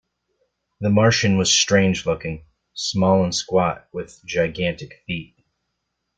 The Martian was strange-looking: small and squat with gigantic feet.